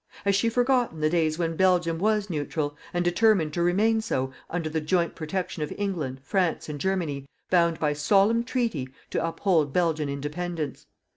Has she forgotten the days when Belgium was neutral, and determined to remain so, under the joint protection of England, France and Germany, bound by solemn treaty to uphold Belgian independence?